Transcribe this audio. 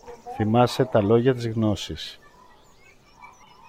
Θυμάσαι τα λόγια της Γνώσης